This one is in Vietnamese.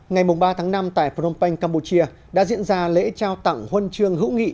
ngày ba tháng năm tại phnom penh campuchia đã diễn ra lễ trao tặng huân chương hữu nghị